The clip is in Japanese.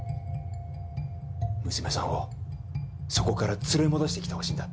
娘さんをそこから連れ戻してきてほしいんだ。